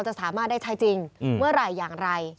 จะสามารถได้ใช้จริงเมื่อไหร่อย่างไร